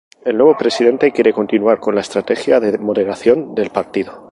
El nuevo presidente quiere continuar con la estrategia de moderación del partido.